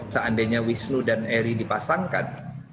seandainya wisnu dan eri dipasangkan